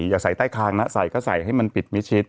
อย่าใส่ใต้คางนะใส่ก็ใส่ให้มันปิดมิชิด